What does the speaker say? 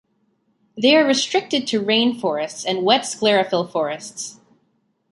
They are restricted to rainforests and wet sclerophyll forests.